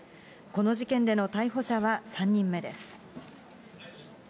この事件での逮捕者は３人目です。